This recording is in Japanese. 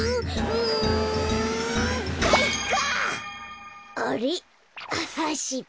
うんかいか！